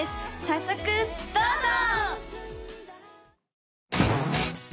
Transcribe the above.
早速どうぞ！